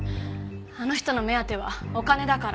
あの人の目当てはお金だから。